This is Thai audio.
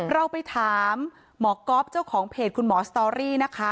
เราไปถามหมอก๊อฟเจ้าของเพจคุณหมอสตอรี่นะคะ